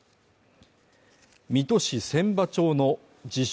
水戸市千波町の自称